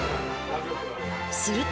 すると。